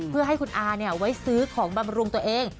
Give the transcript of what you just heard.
เพื่อให้คุณอาไว้ซื้อของบำรุงตัวเอง